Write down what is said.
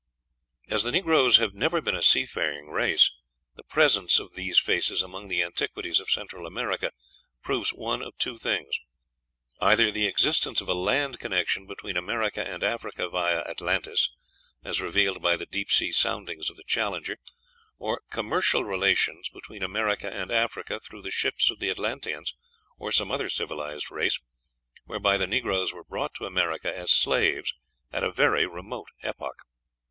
As the negroes have never been a sea going race, the presence of these faces among the antiquities of Central America proves one of two things, either the existence of a land connection between America and Africa via Atlantis, as revealed by the deep sea soundings of the Challenger, or commercial relations between America and Africa through the ships of the Atlanteans or some other civilized race, whereby the negroes were brought to America as slaves at a very remote epoch.